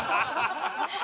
ハハハハ！